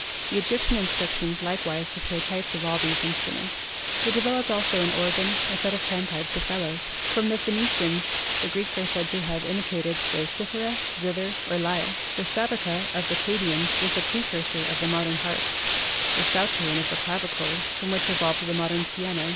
The Egyptian inscriptions likewise portray types of all these instruments. They developed also an organ, a set of pan pipes with bellows. From the Phenicians the Greeks are said to have imitated the cithara, zither or lyre. The Sabeca of the Chaldeans was the precursor of the modern harp, the Psauterin of the clavichord, from which evolved the modern piano.